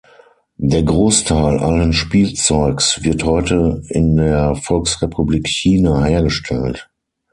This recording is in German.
Der Großteil allen Spielzeugs wird heute in der Volksrepublik China hergestellt.